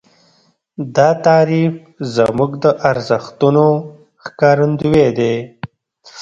دا تعریف زموږ د ارزښتونو ښکارندوی دی.